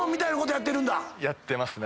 やってますね。